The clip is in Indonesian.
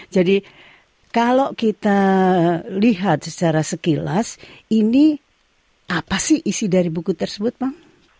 jadi kalau kita lihat secara sekilas ini apa sih isi dari buku tersebut bang